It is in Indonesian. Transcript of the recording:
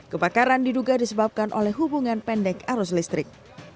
kebakaran diduga disebabkan oleh hubungan pendek arus listrik